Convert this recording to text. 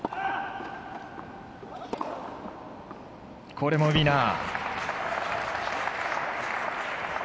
これもウィナー。